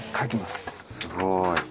すごい！